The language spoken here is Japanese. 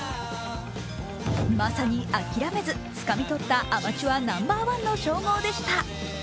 まさに諦めず、つかみとったアマチュアナンバーワンの称号でした。